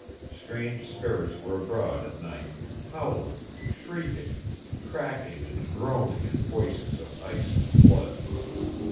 Strange spirits were abroad at night, howling, shrieking, cracking and groaning in voices of ice and flood.